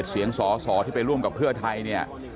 เสียงสอสอที่ไปร่วมกับเพื่อไทยเนี่ย